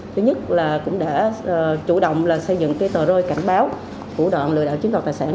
thứ nhất là cũng đã chủ động là xây dựng cái tờ rơi cảnh báo thủ đoạn lừa đạo chính tộc tài sản